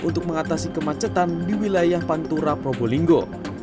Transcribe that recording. untuk mengatasi kemacetan di wilayah pantura probolinggo